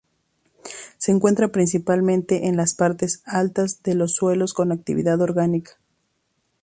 Se encuentra principalmente en las partes altas de los suelos con actividad orgánica.